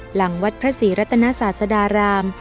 หลังวัดพระศรีรัตนศาสดาราม